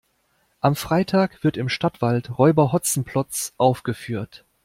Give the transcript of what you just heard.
Am Freitag wird im Stadtwald Räuber Hotzenplotz aufgeführt.